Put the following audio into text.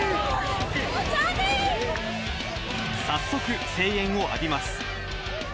早速、声援を浴びます。